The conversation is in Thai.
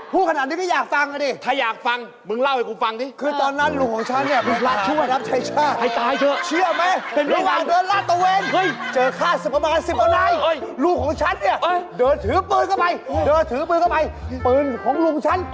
พูดถึงทหาร